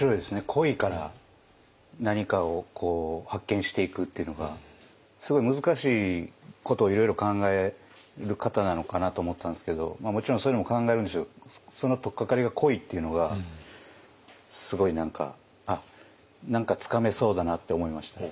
恋から何かを発見していくっていうのがすごい難しいことをいろいろ考える方なのかなと思ったんですけどもちろんそういうのも考えるんでしょうけどその取っかかりが恋っていうのがすごい何かつかめそうだなって思いましたね。